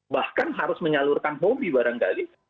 bahkan harus menyalurkan hobi barangkali